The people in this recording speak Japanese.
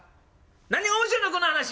「何が面白いのこの話。